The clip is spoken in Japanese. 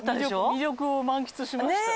魅力を満喫しました。